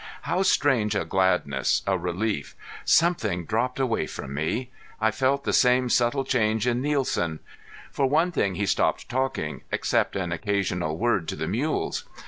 How strange a gladness, a relief! Something dropped away from me. I felt the same subtle change in Nielsen. For one thing he stopped talking, except an occasional word to the mules.